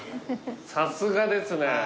さすがですね。